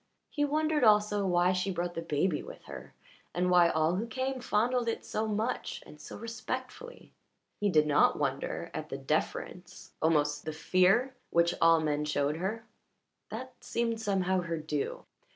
He wondered also why she brought her baby with her, and why all who came fondled it so much and so respectfully. He did not wonder at the deference, almost the fear, which all men showed her that seemed somehow her due.